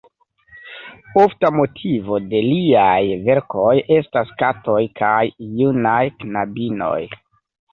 Ofta motivo de liaj verkoj estas katoj kaj junaj knabinoj.